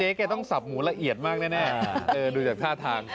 ผมว่าเจ๊ก็ต้องสับหมูละเอียดมากแน่ดูจากท่าทาง